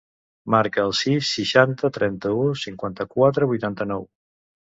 Marca el sis, seixanta, trenta-u, cinquanta-quatre, vuitanta-nou.